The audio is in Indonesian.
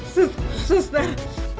sus sus nara